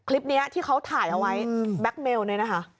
คลิปนี้ที่เขาถ่ายเอาไว้แบ็คเมลเนี่ยนะคะ